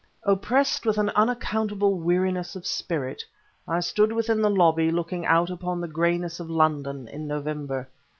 Oppressed with an unaccountable weariness of spirit, I stood within the lobby looking out upon the grayness of London in November.